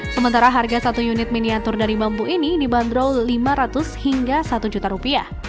sementara harga satu unit miniatur dari bambu ini dibanderol lima ratus hingga satu juta rupiah